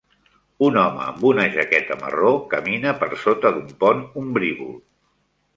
Un home amb una jaqueta marró camina per sota d'un pont ombrívol.